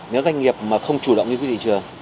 nếu doanh nghiệp mà không chủ động như quý thị trường